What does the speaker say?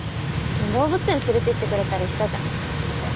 動物園連れていってくれたりしたじゃん。